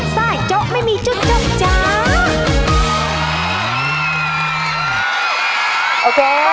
ไส้เจ้าไม่มีจุดเจ้าจ้า